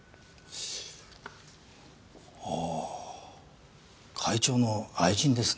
ああ会長の愛人ですね。